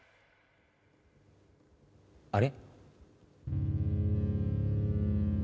あれ。